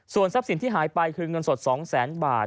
ส่วนทรัพย์สินที่หายไปคือเงินสด๒แสนบาท